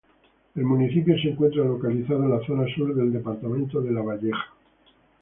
El municipio se encuentra localizado en la zona sur del departamento de Lavalleja.